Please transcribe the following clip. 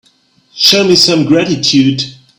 Show me some gratitude.